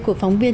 của phóng viên